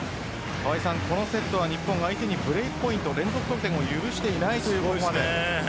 このセットは日本を相手にブレークポイント連続得点を許していません。